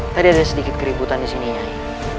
tadi ada sedikit keributan disini nyai